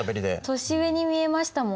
年上に見えましたもん。